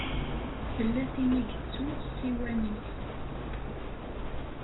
Tella tin i yettun ssiwan-is.